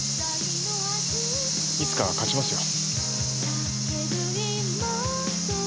いつかは勝ちますよ。